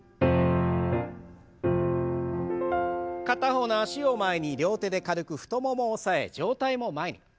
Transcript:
片方の脚を前に両手で軽く太ももを押さえ上体も前に。